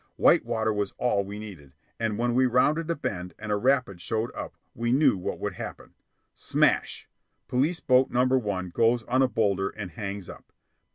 White water was all we needed, and when we rounded a bend and a rapid showed up we knew what would happen. Smash! Police boat number one goes on a boulder and hangs up.